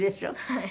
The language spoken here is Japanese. はい。